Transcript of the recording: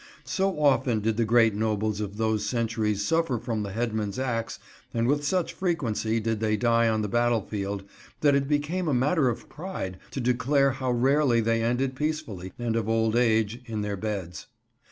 So often did the great nobles of those centuries suffer from the headsman's axe and with such frequency did they die on the battlefield that it became a matter of pride to declare how rarely they ended peacefully and of old age, in their beds.